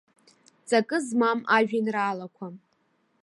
Ҵакы змам ажәеинраалақәа.